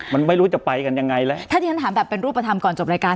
มันไม่รู้จะไปกันยังไงแล้วถ้าที่ฉันถามแบบเป็นรูปธรรมก่อนจบรายการ